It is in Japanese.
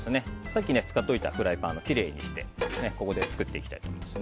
さっき使ったフライパンをきれいにしたここで作っていきたいと思います。